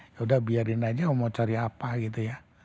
ya udah biarin aja mau cari apa gitu ya